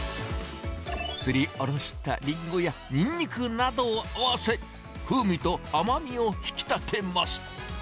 すりおろしたリンゴやニンニクなどを合わせ、風味と甘みを引き立てます。